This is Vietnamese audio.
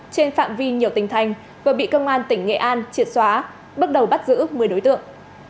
trên phạm vi nhiều tỉnh thành vừa bị công an tỉnh nghệ an triệt xóa bước đầu bắt giữ một mươi đối tượng